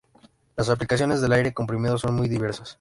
Las aplicaciones del aire comprimido son muy diversas.